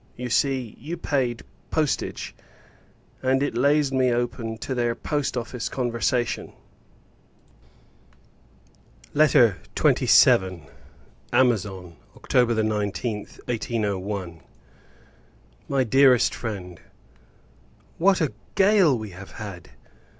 You see, you paid postage, and it lays me open to their Post Office conversation. LETTER XXVII. Amazon, October 19th, 1801. MY DEAREST FRIEND, What a gale we have had!